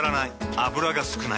油が少ない。